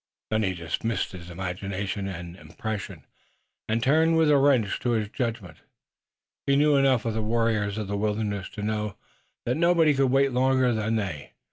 Then he dismissed imagination and impression, and turned with a wrench to his judgment. He knew enough of the warriors of the wilderness to know that nobody could wait longer than they.